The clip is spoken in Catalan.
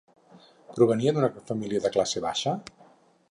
Provenia d'una família de classe baixa?